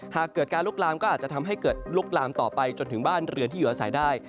หากเกิดการลุกลามก็อาจจะทำให้เกิดลุกลามต่อไปจนถึงบ้านเรือนที่อยู่อาศัยได้